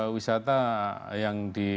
wisata yang di